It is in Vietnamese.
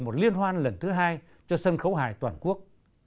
một liên hoan lần thứ hai cho sân khấu hài toàn quốc